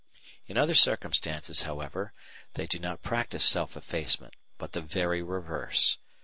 In other circumstances, however, they do not practise self effacement, but the very reverse.